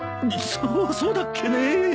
そっそうだっけね？